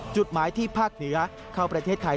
จุดหมายที่ภาคเหนือเข้าประเทศไทย